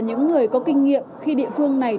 những người có kinh nghiệm khi địa phương này